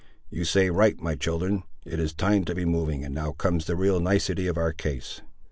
You say right, my children; it is time to be moving, and now comes the real nicety of our case.